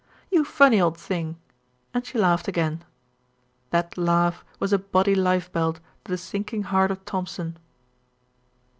"You funny old thing," and she laughed again. That laugh was a Boddy lifebelt to the sinking heart of Thompson.